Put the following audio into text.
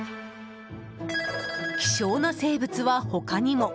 希少な生物は他にも。